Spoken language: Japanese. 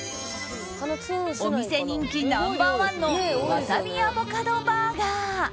お店人気ナンバー１のわさびアボカドバーガー。